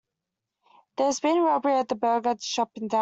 There has been a robbery at the burger shop in downtown.